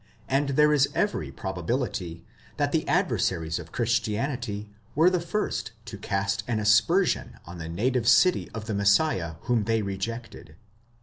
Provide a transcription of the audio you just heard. and there is every probability that the adversaries of Christianity were the first to cast an asper sion on the native city of the Messiah whom they rejected.